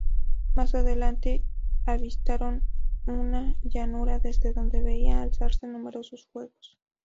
Más adelante avistaron una llanura desde donde veían alzarse numerosos fuegos.